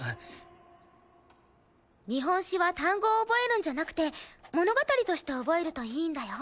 日本史は単語を覚えるんじゃなくて物語として覚えるといいんだよ。